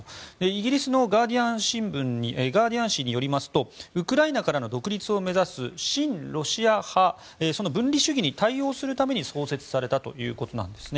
イギリスのガーディアン紙によりますとウクライナからの独立を目指す親ロシア派分離主義に対応するために創設されたということです。